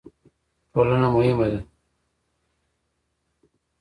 ټولنه مهمه ده.